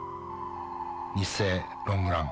ニッセイ、ロングラン。